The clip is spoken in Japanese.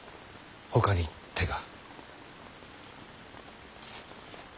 ほかに手が。